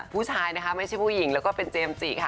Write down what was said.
ผู้ชายนะคะไม่ใช่ผู้หญิงแล้วก็เป็นเจมส์จิค่ะ